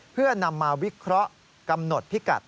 เพื่อนำมาวิเคราะห์กำหนดพิกัด